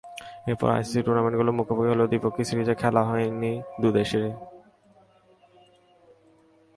এরপর আইসিসির টুর্নামেন্টগুলোয় মুখোমুখি হলেও দ্বিপক্ষীয় সিরিজে খেলা হয়নি দুই দেশের।